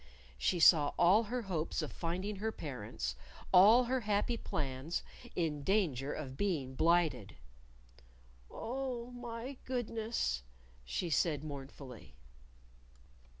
She saw all her hopes of finding her parents, all her happy plans, in danger of being blighted. "Oh, my goodness!" she said mournfully.